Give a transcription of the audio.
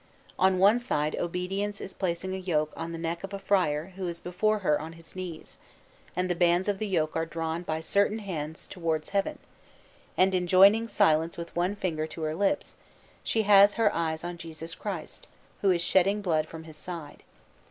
On one side Obedience is placing a yoke on the neck of a friar who is before her on his knees, and the bands of the yoke are drawn by certain hands towards Heaven; and, enjoining silence with one finger to her lips, she has her eyes on Jesus Christ, who is shedding blood from His side.